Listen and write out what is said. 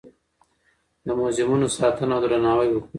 د موزیمونو ساتنه او درناوی وکړئ.